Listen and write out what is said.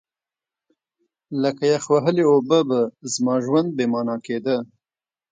لکه یخ وهلې اوبه به زما ژوند بې مانا کېده.